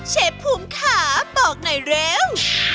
เชฟภูมิค่ะบอกหน่อยเร็ว